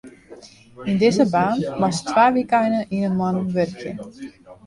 Yn dizze baan moatst twa wykeinen yn 'e moanne wurkje.